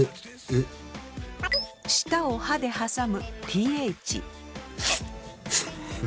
舌を歯で挟むｔｈ。